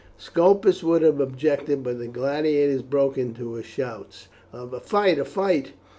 Scopus would have objected, but the gladiators broke into shouts of "A fight! a fight!"